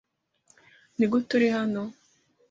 Nigute uri hano?